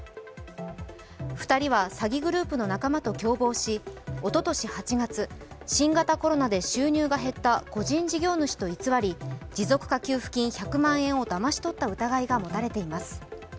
２人は詐欺グループの仲間と共謀しおととし８月新型コロナで収入が減った個人事業主と偽り持続化給付金１００万円をだまし取った疑いが持たれています。